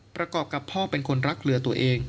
ประกอบกับพ่อเป็นคนรักเรือตัวเอง